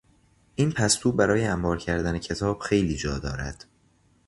این پستو برای انبار کردن کتاب خیلی جا دارد.